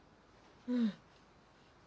うん。